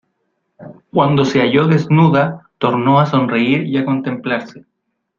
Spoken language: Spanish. cuando se halló desnuda tornó a sonreír y a contemplarse.